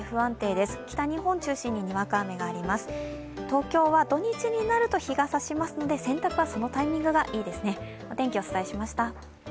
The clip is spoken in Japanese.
東京は土日になると日がさしますので洗濯は、そのタイミングがいいですね。